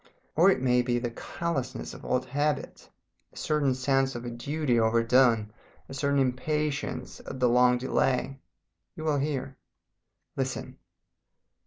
Or it may be the callousness of old habit, a certain sense of a duty overdone, a certain impatience at the long delay. You will hear. "Listen!